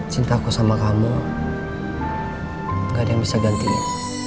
cinta aku sama kamu gak ada yang bisa gantinya